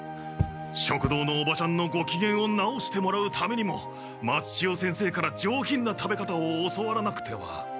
食堂のおばちゃんのごきげんを直してもらうためにも松千代先生から上品な食べ方を教わらなくては。